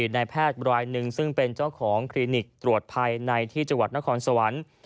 นายแพทย์รายหนึ่งซึ่งเป็นเจ้าของคลินิกตรวจภัยในที่จังหวัดนครสวรรค์